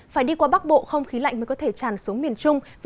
phải đi qua bắc bộ không khí lạnh mới có thể tràn xuống miền trung